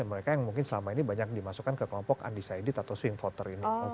mereka yang mungkin selama ini banyak dimasukkan ke kelompok undecided atau swing voter ini